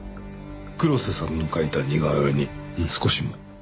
黒瀬さんの描いた似顔絵に少しも。